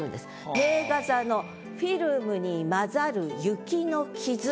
「名画座のフィルムに雑ざる雪の傷」。